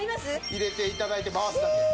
入れて頂いて回すだけ。